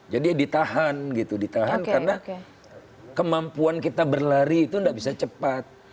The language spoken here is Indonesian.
jadi ditahan gitu ditahan karena kemampuan kita berlari itu nggak bisa cepat